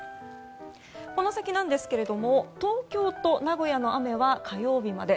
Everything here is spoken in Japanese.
この先なんですが東京と名古屋の雨は火曜日まで。